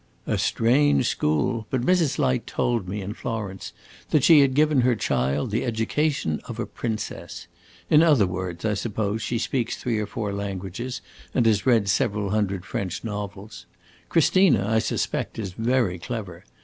"A strange school! But Mrs. Light told me, in Florence, that she had given her child the education of a princess. In other words, I suppose, she speaks three or four languages, and has read several hundred French novels. Christina, I suspect, is very clever.